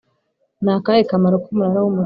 Nakahe kamaro k’umunara w’umurinzi